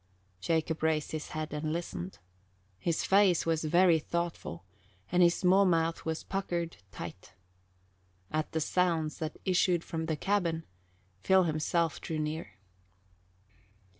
Jacob raised his head and listened; his face was very thoughtful and his small mouth was puckered tight. At the sounds that issued from the cabin, Phil himself drew nearer.